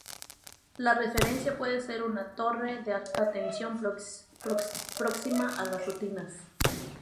La referencia puede ser una torre de alta tensión próxima a las ruinas.